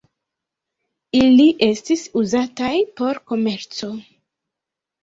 Ili estis uzataj por komerco.